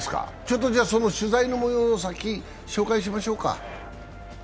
その取材の模様を先に紹介しましょうか。